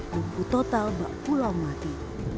bumbu total bak pulau mati